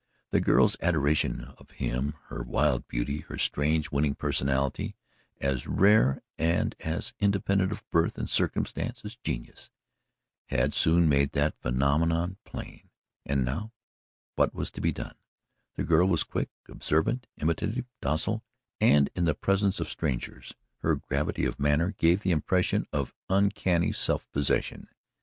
The girl's adoration of him, her wild beauty, her strange winning personality as rare and as independent of birth and circumstances as genius had soon made that phenomenon plain. And now what was to be done? The girl was quick, observant, imitative, docile, and in the presence of strangers, her gravity of manner gave the impression of uncanny self possession.